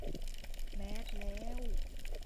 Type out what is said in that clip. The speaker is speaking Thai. แมสแล้ว